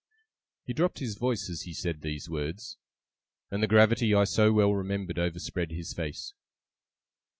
He dropped his voice as he said these words, and the gravity I so well remembered overspread his face.